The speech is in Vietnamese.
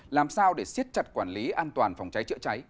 làm sao để siết chặt quản lý an toàn phòng cháy chữa cháy